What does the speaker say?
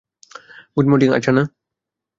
Good morning Archana.